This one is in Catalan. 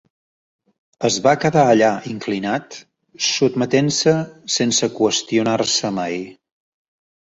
Es va quedar allà inclinat, sotmetent-se, sense qüestionar-se mai.